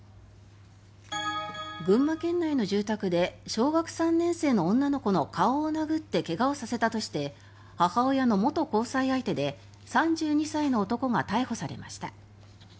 群馬県内の住宅で小学３年生の女の子の顔を殴って怪我をさせたとして母親の元交際相手で３２歳の男が逮捕されました。